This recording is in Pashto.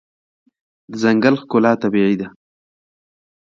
د ځنګل ښکلا طبیعي ده.